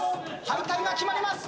敗退が決まります。